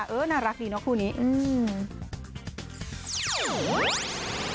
เออนารักดีเนอะครูนี้